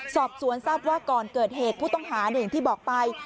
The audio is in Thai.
สอบสวนทราบว่าก่อนเกิดเหตุผู้ต้องหาอย่างที่บอกไป